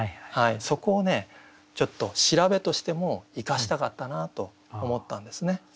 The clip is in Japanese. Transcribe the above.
そこをちょっと調べとしても生かしたかったなと思ったんですね。